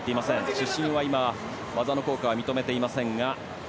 主審は今技の効果を認めていませんが。